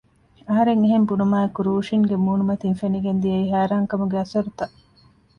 އަހަރެން އެހެން ބުނުމާއެކު ރޫޝިންގެ މޫނުމަތިން ފެނިގެން ދިޔައީ ހައިރާން ކަމުގެ އަސަރުތައް